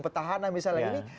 petahana misalnya ini